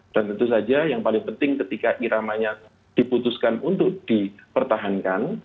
dan tentu saja yang paling penting ketika iramanya diputuskan untuk dipertahankan